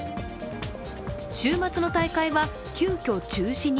週末の大会は急きょ中止に。